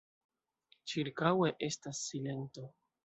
Ĉirkaŭe estas silento.